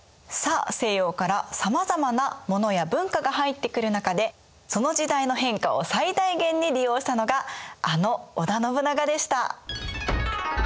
さあ西洋からさまざまなものや文化が入ってくる中でその時代の変化を最大限に利用したのがあの織田信長でした。